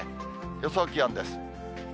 予想気温です。